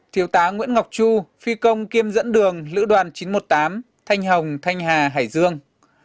thiếu tá nguyễn ngọc chu phi công kiêm dẫn đường lữ đoàn chín trăm một mươi tám thanh hồng thanh hà hải dương